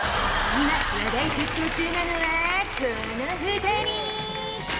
今話題沸騰中なのはこの２人！